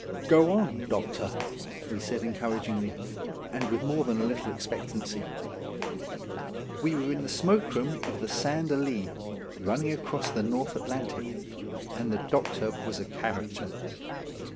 "Go on, doctor," we said encouragingly, and with more than a little expectancy. We were in the smoke room of the Sand a lea, running across the North Atlantic; and the doctor was a character.